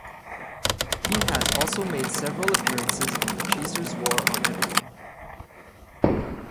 He has also made several appearances on "The Chaser's War on Everything".